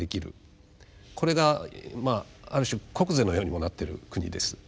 これがまあある種国是のようにもなってる国です。